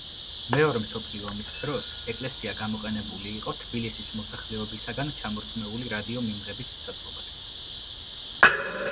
მეორე მსოფლიო ომის დროს ეკლესია გამოყენებული იყო თბილისის მოსახლეობისაგან ჩამორთმეული რადიო მიმღების საწყობად.